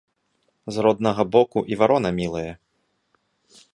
З роднага боку і варона мілая